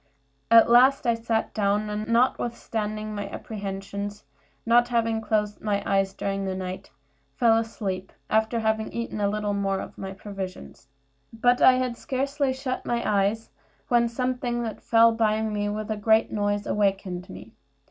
At last I sat down, and notwithstanding my apprehensions, not having closed my eyes during the night, fell asleep, after having eaten a little more of my provisions. But I had scarcely shut my eyes when something that fell by me with a great noise awaked me.